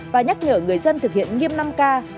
và nhắc nhở người dân thực hiện nghiêm năm k